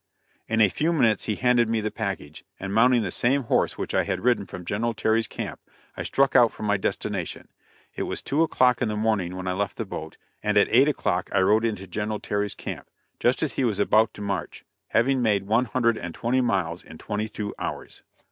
In a few minutes he handed me the package, and mounting the same horse which I had ridden from General Terry's camp, I struck out for my destination. It was two o'clock in the morning when I left the boat, and at eight o'clock I rode into General Terry's camp, just as he was about to march having made one hundred and twenty miles in twenty two hours.